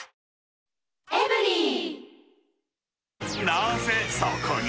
なぜそこに？